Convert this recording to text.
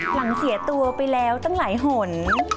หลังเสียตัวไปแล้วตั้งหลายหน